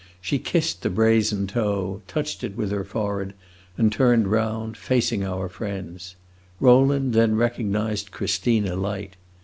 She kissed the brazen toe, touched it with her forehead, and turned round, facing our friends. Rowland then recognized Christina Light.